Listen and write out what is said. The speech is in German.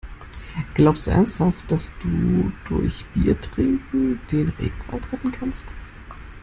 Glaubst du ernsthaft, dass du durch Biertrinken den Regenwald retten kannst?